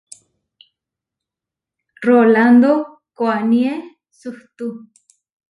Rolándo koʼaníe suhtú.